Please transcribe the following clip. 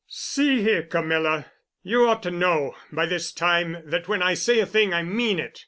"See here, Camilla. You ought to know, by this time that when I say a thing I mean it.